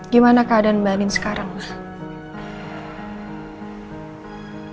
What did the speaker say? gimana keadaan mbak anin sekarang pak